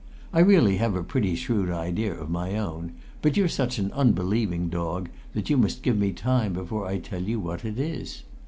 I really have a pretty shrewd idea of my own, but you're such an unbelieving dog that you must give me time before I tell you what it is.